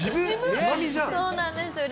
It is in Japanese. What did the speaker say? そうなんです。